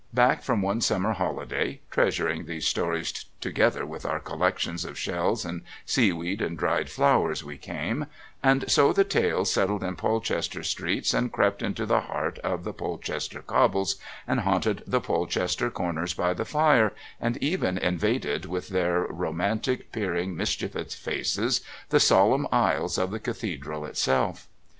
Back from one summer holiday, treasuring these stories together with our collections of shells and seaweed and dried flowers, we came, and so the tales settled in Polchester streets and crept into the heart of the Polchester cobbles and haunted the Polchester corners by the fire, and even invaded with their romantic, peering, mischievous faces the solemn aisles of the Cathedral itself.